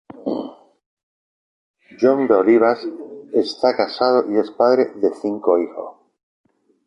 John D. Olivas está casado y es padre de cinco hijos.